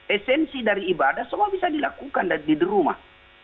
esensi dari ibadah semua bisa dilakukan di rumah